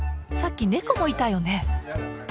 さっき猫もいたよね。